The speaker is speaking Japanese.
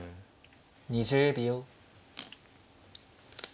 ２０秒。